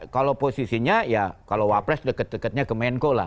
kalau posisinya ya kalau wapres deket deketnya ke menko lah